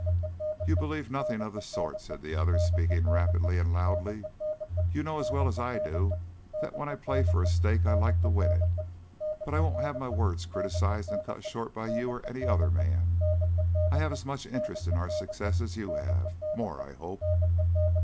"You believe nothing of the sort," said the other, speaking rapidly and loudly. "You know as well as I do that when I play for a stake I like to win it. But I won't have my words criticised and cut short by you or any other man. I have as much interest in our success as you have more, I hope."